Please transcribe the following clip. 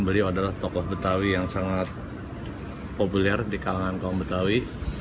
beliau adalah tokoh betawi yang sangat populer di kalangan kaum betawi